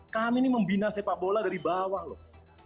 kami ini membina sepak bola dari bawah loh